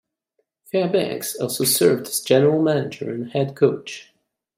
Fairbanks also served as general manager and head coach.